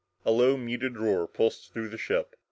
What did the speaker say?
A low muted roar pulsed through the ship.